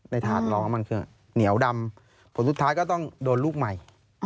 ถาดร้องมันคือเหนียวดำผลสุดท้ายก็ต้องโดนลูกใหม่